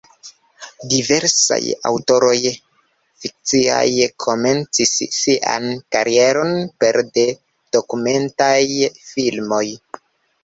Diversaj aŭtoroj fikciaj komencis sian karieron pere de dokumentaj filmoj.